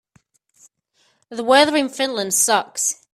The weather in Finland sucks.